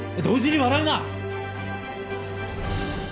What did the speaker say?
同時に笑うな！